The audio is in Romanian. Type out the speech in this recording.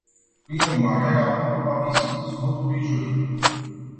Prin urmare, raportul va fi supus votului joi.